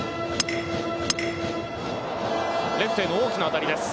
レフトへの大きな当たりです。